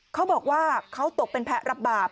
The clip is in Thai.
เขาบอกว่าเขาตกเป็นแพ้รับบาป